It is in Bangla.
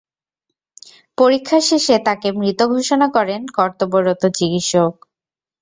পরীক্ষা শেষে তাঁকে মৃত ঘোষণা করেন কর্তব্যরত চিকিৎসক।